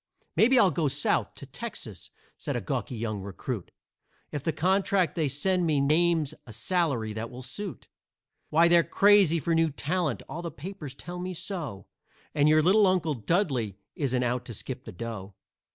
"Maybe I'll go South to Texas," said a gawky young recruit, "If the contract that they send me names a salary that will suit. Why, they're crazy for new talent; all the papers tell me so, And your little Uncle Dudley isn't out to skip the dough.